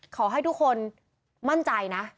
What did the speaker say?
ขอให้ทุกคนมั่นใจนะ